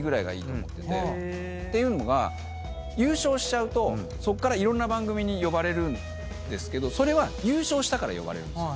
ていうのが優勝しちゃうとそっからいろんな番組に呼ばれるんですけどそれは優勝したから呼ばれるんですよ。